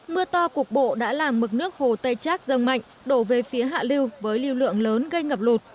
mưa to cục bộ đã làm mực nước hồ tây trác rông mạnh đổ về phía hạ lưu với lưu lượng lớn gây ngập lụt